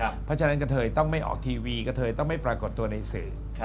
เพราะฉะนั้นกระเทยต้องไม่ออกทีวีกระเทยต้องไม่ปรากฏตัวในสื่อ